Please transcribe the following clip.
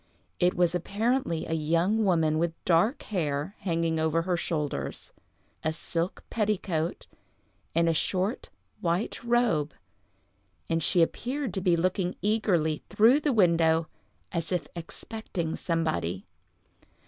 It was apparently a young woman with dark hair hanging over her shoulders, a silk petticoat, and a short, white robe, and she appeared to be looking eagerly through the window, as if expecting somebody.